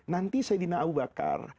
nanti saidina abu bakar